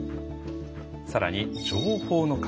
さらに、情報の壁。